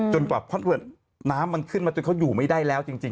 เผื่อน้ำมันขึ้นมาจนเขาอยู่ไม่ได้แล้วจริง